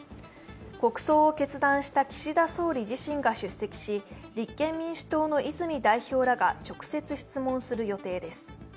国葬を決断した岸田総理自身が出席し、立憲民主党の泉代表らが直接質問する予定です。